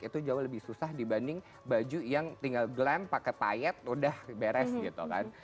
itu jauh lebih susah dibanding baju yang tinggal glenn pakai payet udah beres gitu kan